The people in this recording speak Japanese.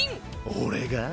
俺が？